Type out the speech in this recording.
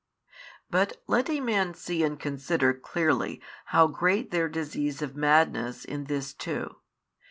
But let a man see and consider clearly how great their disease of madness in this too.